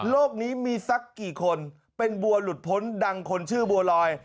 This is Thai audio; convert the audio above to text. นี้มีสักกี่คนเป็นบัวหลุดพ้นดังคนชื่อบัวลอย